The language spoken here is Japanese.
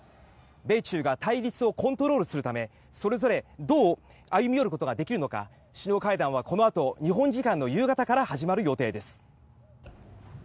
米中が対立をコントロールするためそれぞれどう歩み寄ることができるのか首脳会談はこのあと日本時間の夕方から始まる予定です。